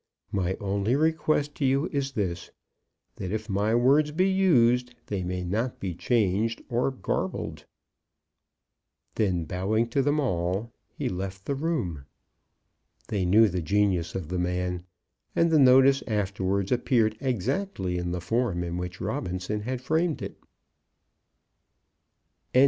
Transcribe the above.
My only request to you is this, that if my words be used, they may not be changed or garbled." Then, bowing to them all, he left the room. They knew the genius of the man, and the notice afterwards appeared exactly in the form in which Robinson had framed it. CHAPTER XXIII.